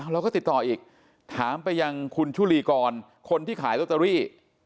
เราก็ติดต่ออีกถามไปยังคุณชุลีกรคนที่ขายลอตเตอรี่